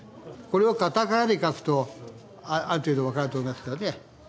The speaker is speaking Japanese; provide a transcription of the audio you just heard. これをカタカナで書くとある程度分かると思いますけどね。